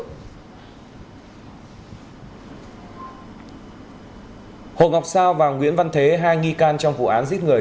hồ ngọc sao và nguyễn văn thế hai nghi can trong vụ án giết người